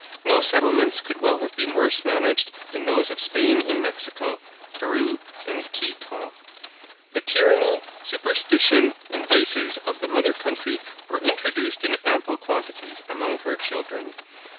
No settlements could well have been worse managed than those of Spain in Mexico, Peru, and Quito. The tyranny, superstition, and vices of the mother country were introduced in ample quantities among her children.